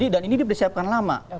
dan ini dipersiapkan lama